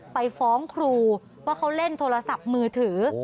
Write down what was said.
ไปฟ้องครูว่าเขาเล่นโทรศัพท์มือถือ